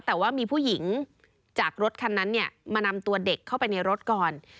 แต่ว่ามีผู้หญิงจากรถคันนั้นเนี่ยมานำตัวเด็กเข้าไปในรถก่อน